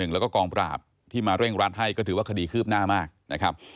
แล้วก็กองปราบที่มาเร่งรัดให้ก็ถือว่าคดีคืบหน้ามากนะครับ